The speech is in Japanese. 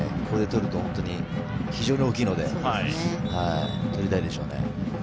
ここで取ると非常に大きいので取りたいでしょうね。